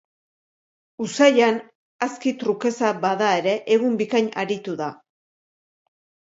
Usaian aski trukesa bada ere, egun bikain aritu da.